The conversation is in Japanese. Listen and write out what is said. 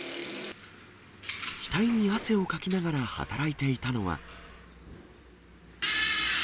額に汗をかきながら働いていたのは。